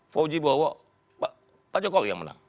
fauji bowo pak jokowi yang menang